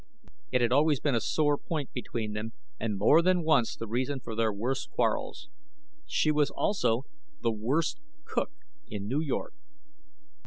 It had always been a sore point between them, and more than once the reason for their worst quarrels. She was also the worst cook in New York.